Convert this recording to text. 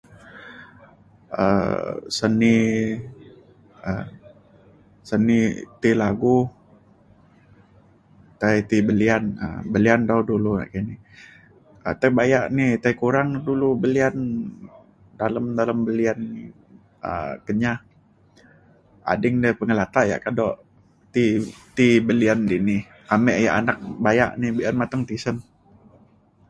um seni um seni ti lagu tai ti belian um belian dau dulu nakini. tai bayak ni tai kurang na dulu belian dalem dalem belian ni um Kenyah. ading ni pengelatak yak kado ti ti belian dini ame yak anak bayak ni be’un mateng tisen